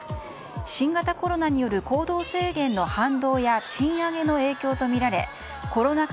新型コロナによる行動制限の反動や賃上げの影響とみられコロナ禍